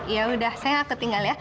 ya udah sayang aku tinggal ya